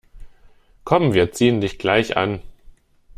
Komm, wir ziehen dich gleich an.